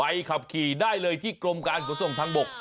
ไปต่ออายุใบขับขี่ได้เลยที่กรมการขุนส่งทางบก